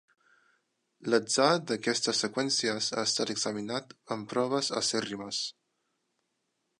L'atzar d'aquestes seqüències ha estat examinat amb proves acèrrimes.